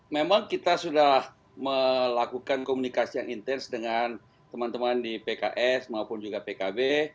memang kita sudah melakukan komunikasi yang intens dengan teman teman di pks maupun juga pkb